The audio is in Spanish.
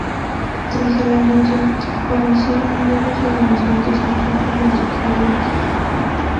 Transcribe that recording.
Tras el anuncio, aparecieron nuevos denunciantes en contra del sacerdote.